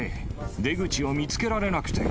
出口を見つけられなくて。